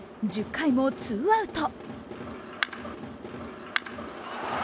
１０回も２アウト。